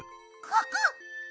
ここ！